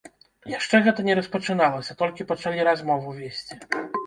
Яшчэ гэта не распачыналася, толькі пачалі размову весці.